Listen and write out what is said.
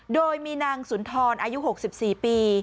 โดยมีนางสุนทรอายุ๖๔ปี